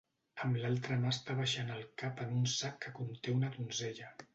Amb l'altra mà està abaixant el cap en un sac que sosté una donzella.